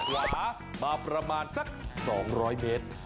หมามาประมาณสัก๒๐๐เมตร